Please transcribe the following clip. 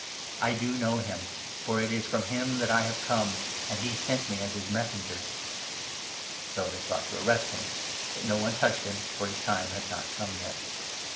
I do know him, for it is 29 from him that I have come, and he sent me as his Messenger." So they sought to arrest him ; but no one touched him, for his 30 time was not come yet.